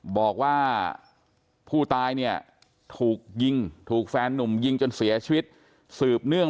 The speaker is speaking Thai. บอกว่าผู้ตายเนี่ยถูกยิงถูกแฟนนุ่มยิงจนเสียชีวิตสืบเนื่อง